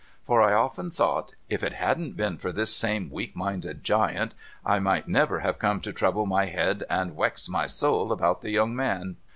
For I often thought, ' If it hadn't been for this same weak minded giant, I might never have come to trouble my head and wex my soul about the young man.'